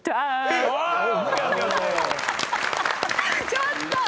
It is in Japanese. ちょっと！